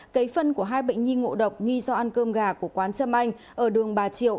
cấy phân của hai bệnh nhi ngộ độc nghi do ăn cơm gà của quán trâm anh ở đường bà triệu